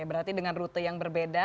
berarti dengan rute yang berbeda